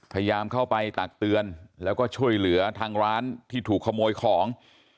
พยายามเข้าไปตักเตือนแล้วก็ช่วยเหลือทางร้านที่ถูกขโมยของ